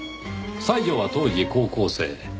西條は当時高校生。